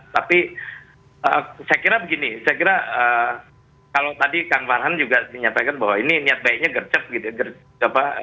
tapi saya kira begini saya kira kalau tadi kang farhan juga menyampaikan bahwa ini niat baiknya gercep gitu ya